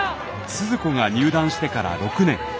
スズ子が入団してから６年。